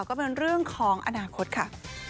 ก็เป็นเรื่องของอนาคตค่ะ